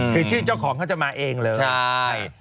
คือชื่อเจ้าของเขาจะมาเองเลยใช่